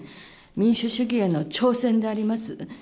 民主主義への挑戦であります。